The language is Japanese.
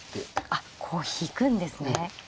あっこう引くんですね。